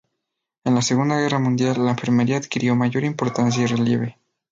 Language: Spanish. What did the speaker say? En la segunda guerra mundial, la enfermería adquirió mayor importancia y relieve.